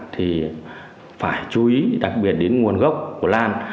thì phải chú ý đặc biệt đến nguồn gốc của lan